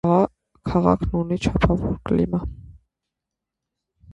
Քաղաքն ունի չափավոր կլիմա։